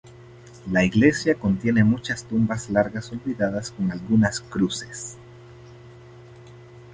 La iglesia contiene muchas tumbas largas olvidadas con algunas cruces.